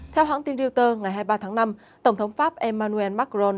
theo hãng tin reuter ngày hai mươi ba tháng năm tổng thống pháp emmanuel macron